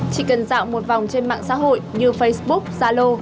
chỉ cần dạo một vòng trên mạng xã hội như facebook zalo